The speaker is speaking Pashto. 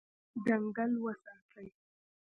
ځنګل وساتئ.